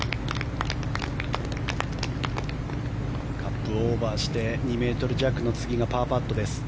カップをオーバーして２ｍ弱の次がパーパットです。